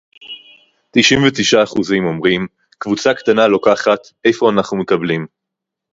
תשעים ותשעה אחוזים אומרים: קבוצה קטנה לוקחת; איפה אנחנו מקבלים